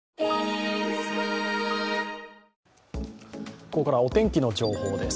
ここからはお天気の情報です。